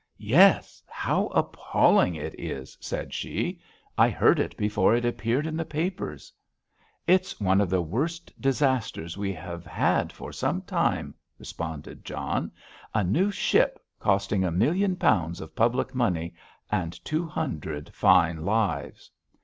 "Yes, how appalling it is," said she. "I heard it before it appeared in the papers." "It's one of the worst disasters we have had for some time," responded John; "a new ship costing a million pounds of public money, and two hundred fine lives."